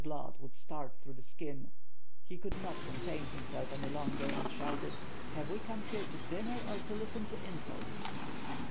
607 blood would start through the skin; he could not contain himself any longer, and shouted: "Have we come here to dinner or to listen to insults?"